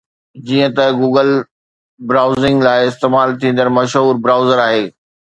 جيئن ته Google browsing لاءِ استعمال ٿيندڙ مشهور برائوزر آهي